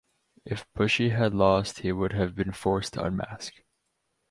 If Bushi had lost he would have been forced to unmask.